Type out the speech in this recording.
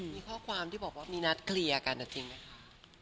มีข้อความที่บอกว่ามีนัดเคลียร์กันจริงไหมคะ